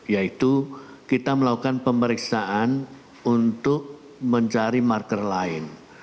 yaitu kita melakukan pemeriksaan untuk mencari marker lain